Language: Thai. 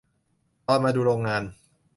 ตอนมาดูโรงงาน